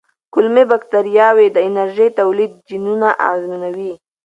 کولمو بکتریاوې د انرژۍ تولید جینونه اغېزمنوي.